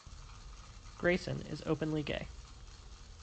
Greyson is openly gay.